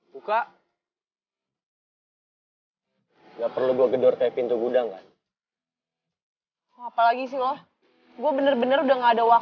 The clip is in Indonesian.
tuh kan perut gue jadi sakit lagi kan emosi sih bawa nya ketemu dia